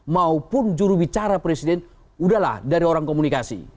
maupun jurubicara presiden udahlah dari orang komunikasi